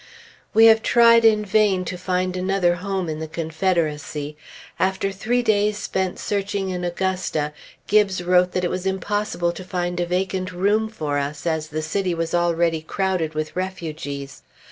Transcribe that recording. We have tried in vain to find another home in the Confederacy. After three days spent in searching Augusta, Gibbes wrote that it was impossible to find a vacant room for us, as the city was already crowded with refugees.